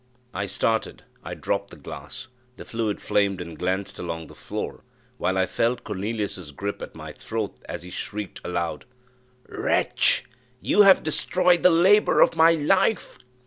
I started I dropped the glass the fluid flamed and glanced along the floor, while I felt Cornelius's gripe at my throat, as he shrieked aloud, "Wretch! you have destroyed the labour of my life!"